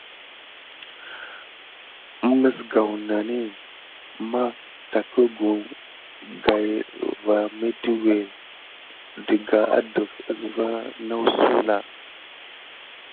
Məzgaw nane matagərgəw gay va métuwé dəga adəf əsva naw muwslya.